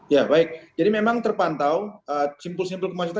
ya baik jadi memang terpantau simpul simpul kemacetan